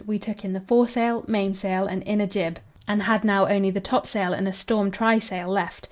We took in the foresail, mainsail, and inner jib, and had now only the topsail and a storm trysail left.